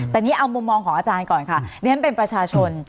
แต่นี่เอามุมมองของอาจารย์ก่อนค่ะเรียนเป็นประชาชน